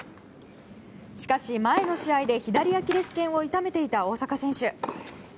しかし、前の試合で左アキレス腱を痛めていた大坂選手。